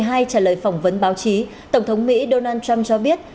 ngày một mươi năm tháng một mươi hai trả lời phỏng vấn báo chí tổng thống mỹ donald trump cho biết